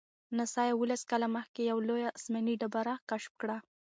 ناسا یوولس کاله مخکې یوه لویه آسماني ډبره کشف کړه.